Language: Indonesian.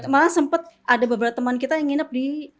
malah sempat ada beberapa teman kita yang nginep di